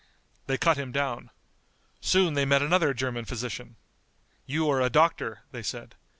They cut him down. Soon they met another German physician. "You are a doctor," they said.